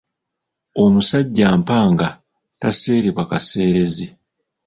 Omusajja mpanga taseerebwa kaseerezi.